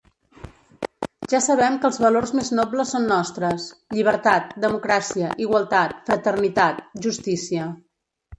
Ja sabem que els valors més nobles són nostres: llibertat, democràcia, igualtat, fraternitat, justícia.